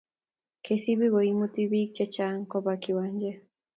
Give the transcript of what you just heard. Kcb ko imuti pik che chang koba kiwanjet